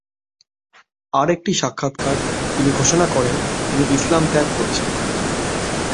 আরেকটি সাক্ষাৎকারে তিনি ঘোষণা করেন যে তিনি ইসলাম ত্যাগ করেছেন।